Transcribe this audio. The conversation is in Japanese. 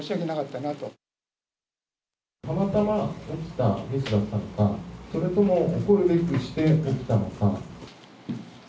たまたま起きたミスだったのか、それとも起こるべくして起きたのか。